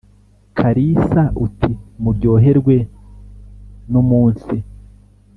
kalisa uti muryoherwe numunsi